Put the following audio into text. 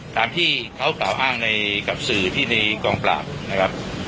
ตามที่เขากล่าวอ้างในกับสื่อที่ในกองปราบนะครับ